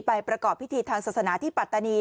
ประกอบพิธีทางศาสนาที่ปัตตานี